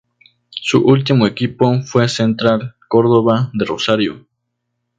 Su último equipo fue Central Córdoba de Rosario.